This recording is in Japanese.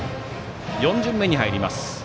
４巡目に入ります。